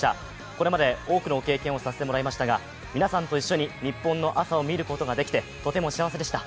これまで多くの経験をさせてもらいましたが皆さんと一緒にニッポンの朝を見ることができてとても幸せでした。